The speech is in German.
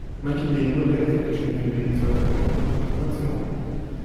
Manche gehen nur der Geldgeschenke wegen zu Firmung und Konfirmation.